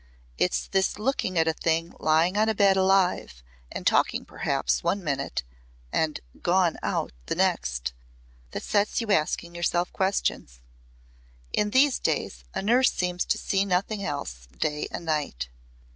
It's this looking at a thing lying on a bed alive and talking perhaps, one minute and gone out the next, that sets you asking yourself questions. In these days a nurse seems to see nothing else day and night.